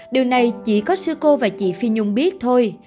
điều này chỉ có sư cô và chị phi nhung biết thôi